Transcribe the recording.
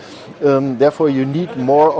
untuk membantu masyarakat di indonesia